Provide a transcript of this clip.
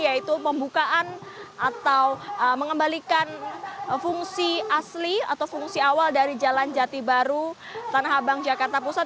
yaitu pembukaan atau mengembalikan fungsi asli atau fungsi awal dari jalan jati baru tanah abang jakarta pusat